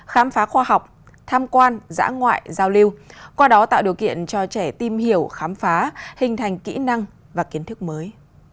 khám phá khoa học tham quan giã ngoại giao lưu qua đó tạo điều kiện cho trẻ tìm hiểu khám phá hình thành kỹ năng và kiến thức mới